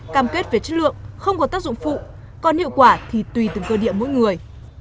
cam kết về chất lượng không có tác dụng phụ còn hiệu quả thì tùy từng cơ địa mỗi người